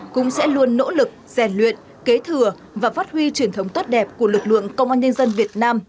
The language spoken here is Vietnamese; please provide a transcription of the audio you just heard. cũng sẽ luôn nỗ lực rèn luyện kế thừa và phát huy truyền thống tốt đẹp của lực lượng công an nhân dân việt nam